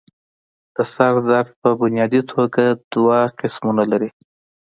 سر درد پۀ بنيادي توګه دوه قسمونه لري